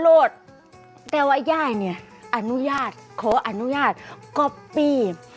แต่ว่าย่ายเนี่ยอนุญาตขออนุญาตก๊อปปี้